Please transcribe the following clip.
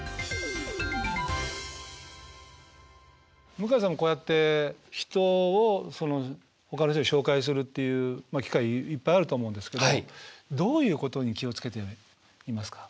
向井さんもこうやって人をそのほかの人に紹介するっていう機会いっぱいあると思うんですけどどういうことに気をつけていますか？